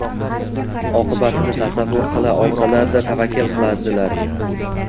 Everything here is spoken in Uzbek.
oqibatini tasavvur qila olsalar-da, tavakkal qiladilar.